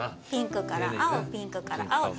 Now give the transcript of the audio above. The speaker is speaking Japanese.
ピンクから青ピンクから青。